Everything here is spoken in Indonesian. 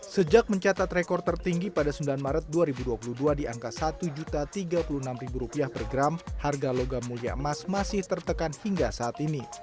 sejak mencatat rekor tertinggi pada sembilan maret dua ribu dua puluh dua di angka rp satu tiga puluh enam per gram harga logam mulia emas masih tertekan hingga saat ini